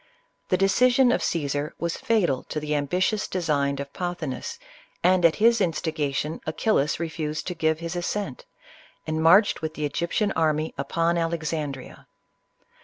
The decision of Caesar was fatal to the ambitious designs of Pothi nus, and at his instigation, Achillas refused to give his assent, and marched with the Egyptian army upon Alexandria.